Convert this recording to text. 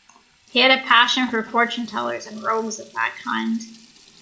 He had a passion for fortune-tellers and rogues of that kind.